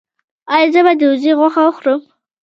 ایا زه باید د وزې غوښه وخورم؟